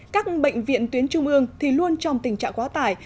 các bệnh viện tuyến trung ương thì luôn trong tình trạng quá tải